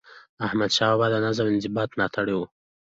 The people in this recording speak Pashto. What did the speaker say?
احمدشاه بابا د نظم او انضباط ملاتړی و.